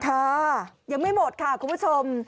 ค่ะยังไม่หมดค่ะคุณผู้ชม